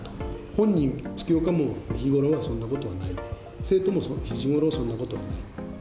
本人、月岡も日頃はそんなことはないと、生徒も日頃はそんなことないと。